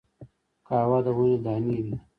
قهوه د ونې دانی دي